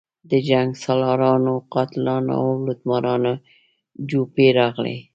د جنګسالارانو، قاتلانو او لوټمارانو جوپې راغلي.